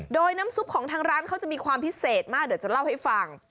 โดยน้ำซุปของทางร้านเขาจะมีความพิเศษมากเดี๋ยวจะเล่าให้ฟัง